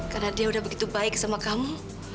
karena dia udah begitu baik sama kamu